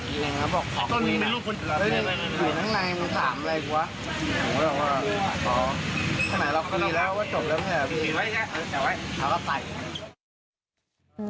ก็มองแล้วผมก็เลย